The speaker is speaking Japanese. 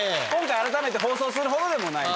あらためて放送するほどでもない。